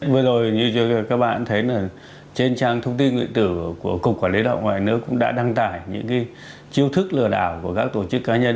vừa rồi như các bạn thấy trên trang thông tin nguyện tử của cục quản lý đạo ngoại nước cũng đã đăng tải những chiêu thức lừa đảo của các tổ chức cá nhân